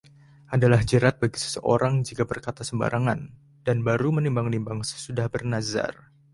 Adalah jerat bagi seseorang jika berkata sembarangan, dan baru menimbang-nimbang sesudah bernazar.